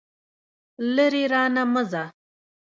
لرې رانه مه ځه.